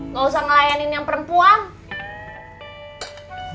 gak usah ngelayanin yang perempuan